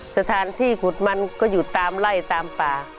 สถานที่ขุดมันก็อยู่ตามไล่ตามป่า